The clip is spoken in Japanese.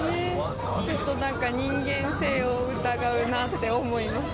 ちょっとなんか、人間性を疑うなって思います。